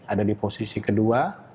ada di posisi kedua